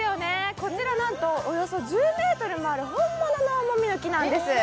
こちら、なんとおよそ１０ｍもある本物のもみの木なんです。